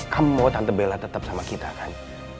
kamu mau tante bela tetap sama kita kan